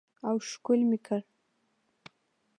او ښکل مې کړ.